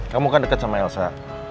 kamu kan dekat sama elsa